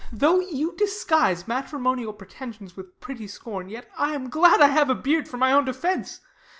Though you disguise matrimonial preten sions "With pretty scorn, yet I am glad I have A beard for my own defence.